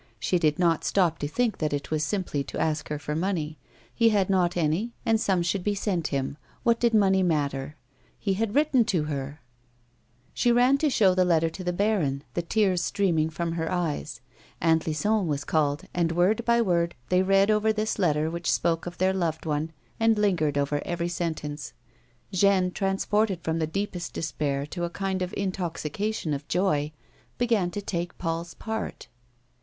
She did not stop to think that it was simply to ask her for money ; he had not any and some should be sent him ; what did money matter 1 Hu had written to her ! She ran to show the letter to the bai oii, the tears stream A WOMAN'S LIFE. 207 ing from her eyes. Auut Lison was called, and, word by word, they read over this letter which spoke of their loved one, and lingered over every sentence. Jeanne, transported from the deepest despair to a kind of intoxication of hope, began to take Paul's part.